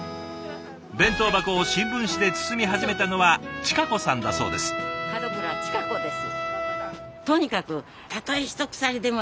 弁当箱を新聞紙で包み始めたのは親子さんだそうです。